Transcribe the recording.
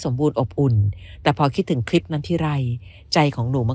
บูรณอบอุ่นแต่พอคิดถึงคลิปนั้นทีไรใจของหนูมัน